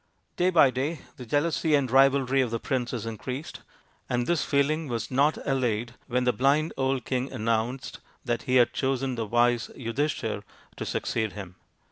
ii Day by day the jealousy and rivalry of the princes increased, and this feeling was not allayed when the blind old king announced that he had chosen the wise Yudhishthir to succeed him.